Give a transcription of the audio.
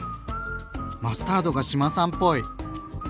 マスタードが志麻さんっぽい。